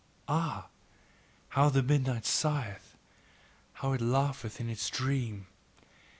ah! how the midnight sigheth! how it laugheth in its dream!